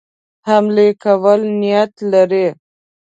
حملې کولو نیت لري.